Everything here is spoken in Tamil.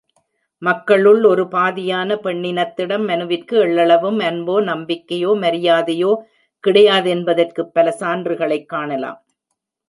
மக்களுள் ஒரு பாதியான பெண்ணினத்திடம் மனுவிற்கு எள்ளளவும் அன்போ, நம்பிக்கையோ, மரியாதையோ கிடையாதென்பதற்குப் பல சான்றுகளைக் காணலாம்.